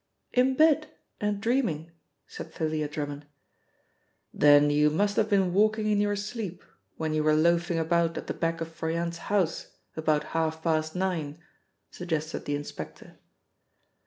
"In bed and dreaming," said Thalia Drummond. "Then you must have been walking in your sleep when you were loafing about at the back of Froyant's house about half past nine," suggested the inspector.